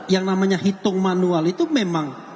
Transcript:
yang namanya hitung manual itu memang